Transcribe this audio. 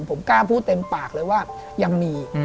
ผมกล้าพูดเต็มปากเลยว่ายังมี